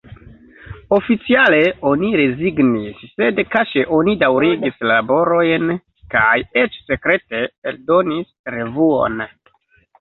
Oficiale, oni rezignis, sed kaŝe oni daŭrigis la laborojn kaj eĉ sekrete eldonis revuon.